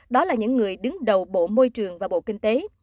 đó là những người đứng đầu bộ môi trường và bộ kinh tế